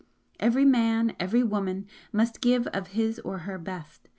Every man, every woman, must give of his or her best.